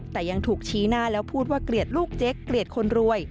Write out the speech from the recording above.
แต่ยังถูกชี้หน้าแล้วพูดว่าเกลียดลูกเจ๊กเกลียดคนรวย